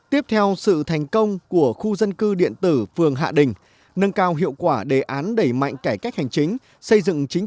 tiếp theo sự thành công của khu dân cư điện tử phường hạ đình nâng cao hiệu quả đề án đẩy mạnh cải cách hành chính